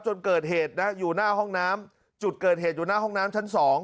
จนเกิดเหตุนะอยู่หน้าห้องน้ำจุดเกิดเหตุอยู่หน้าห้องน้ำชั้น๒